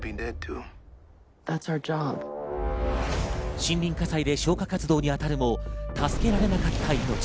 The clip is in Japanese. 森林火災で消火活動に当たるも助けられなかった命。